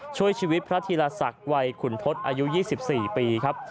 ช่วยชีวิตพระธีรศักดิ์วัยขุนทศอายุ๒๔ปีครับ